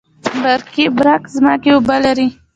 برکي برک ځمکې اوبه لري؟